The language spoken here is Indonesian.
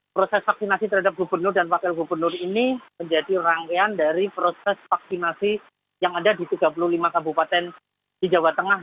proses vaksinasi terhadap gubernur dan wakil gubernur ini menjadi rangkaian dari proses vaksinasi yang ada di tiga puluh lima kabupaten di jawa tengah